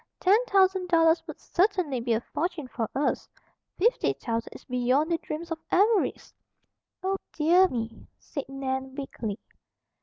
Ten thousand dollars would certainly be a fortune for us; fifty thousand is beyond the dreams of avarice." "Oh, dear me!" said Nan weakly.